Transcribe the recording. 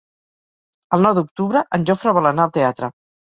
El nou d'octubre en Jofre vol anar al teatre.